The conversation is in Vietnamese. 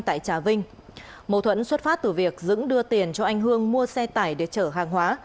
tại trà vinh mâu thuẫn xuất phát từ việc dững đưa tiền cho anh hương mua xe tải để chở hàng hóa